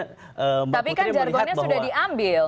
tapi kan jargonnya sudah diambil